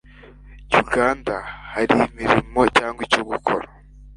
Uganda hari imirimo cyangwa ikigo gikora